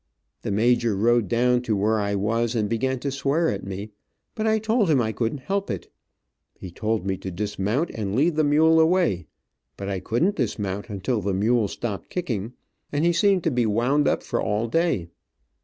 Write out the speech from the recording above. The major rode down to where I was and began to swear at me, but I told him I couldn't help it. He told me to dismount and lead the mule away, but I couldn't dismount until the mule stopped kicking, and he seemed to be wound up for all day.